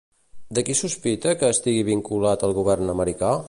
De qui sospita que estigui vinculat al govern americà?